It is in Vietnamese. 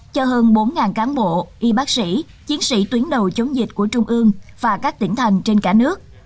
cho hơn bốn cán bộ y bác sĩ chiến sĩ tuyến đầu chống dịch của trung ương và các tỉnh thành trên cả nước